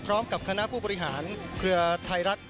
พร้อมกับคณะผู้บริหารเครือไทยรัฐ